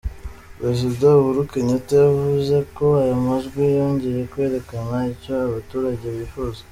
Perezida Uhuru Kenyatta yavuze ko ayo majwi yongeye kwerekana icyo abaturage bifuza.